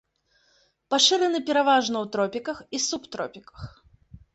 Пашыраны пераважна ў тропіках і субтропіках.